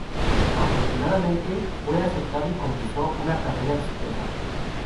Afortunadamente, fue aceptado y comenzó una carrera exitosa.